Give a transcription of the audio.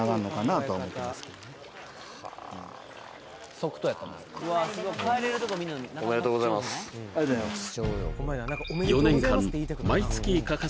左でおめでとうございますありがとうございます